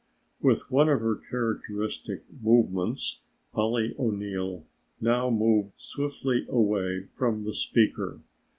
With one of her characteristic movements Polly O'Neill now moved swiftly away from the speaker.